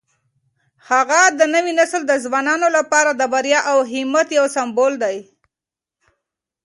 هغه د نوي نسل د ځوانانو لپاره د بریا او همت یو سمبول دی.